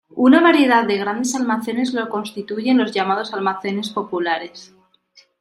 Una variedad de grandes almacenes lo constituyen los llamados almacenes populares.